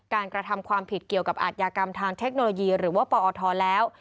กระทำความผิดเกี่ยวกับอาทยากรรมทางเทคโนโลยีหรือว่าปอทแล้ว